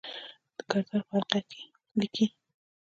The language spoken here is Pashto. د کردار پۀ حقله ليکي: